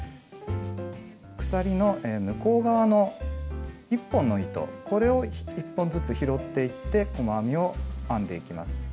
鎖の向こう側の１本の糸これを１本ずつ拾っていって細編みを編んでいきます。